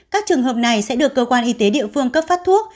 các trường hợp này sẽ được cơ quan y tế địa phương cấp phát thuốc